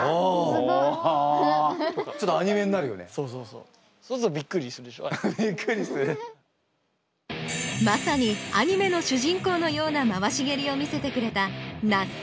そうするとまさにアニメの主人公のような回し蹴りを見せてくれた那須川天心。